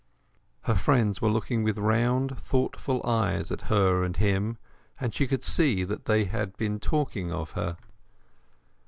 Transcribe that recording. Her friends were looking with round thoughtful eyes at her and him, and she could see that they had been talking of her.